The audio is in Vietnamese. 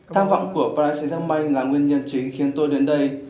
tham vọng của paris saint germain là nguyên nhân chính khiến tôi đến đây